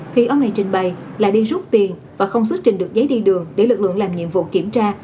khi ông này trình bày là đi rút tiền và không xuất trình được giấy đi đường để lực lượng làm nhiệm vụ kiểm tra